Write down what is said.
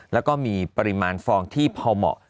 แล้วก็มีปริมาณฟองที่พอเหมาะ